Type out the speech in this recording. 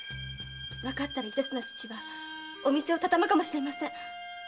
わかったら一徹な父はお店をたたむかもしれません。